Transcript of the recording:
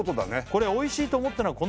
これ「おいしいと思ったのは」